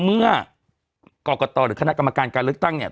เมื่อกรกตหรือคณะกรรมการการเลือกตั้งเนี่ย